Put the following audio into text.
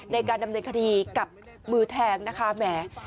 ในการดำเนินคดีกับมือแทงนะคะแหม